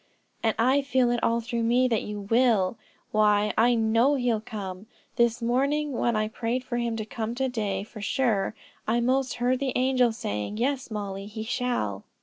"And I feel it all through me that you will. Why I know he'll come. This morning when I prayed for him to come to day for sure, I most heard the angel saying, 'Yes, Mollie, he shall.'"